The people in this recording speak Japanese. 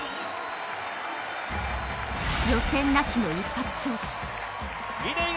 予選なしの一発勝負。